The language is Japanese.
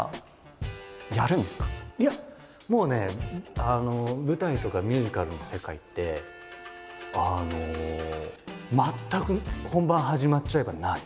いやもうね舞台とかミュージカルの世界って全く本番始まっちゃえばない。